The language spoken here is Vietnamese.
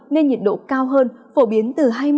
nên nhiệt độ cao hơn phổ biến từ hai mươi năm